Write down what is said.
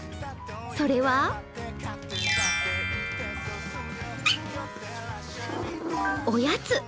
それはおやつ。